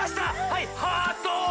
はいハート！